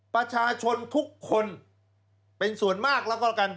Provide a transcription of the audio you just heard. ประชาชนทุกคนเป็นส่วนมากแล้วก็แล้วกัน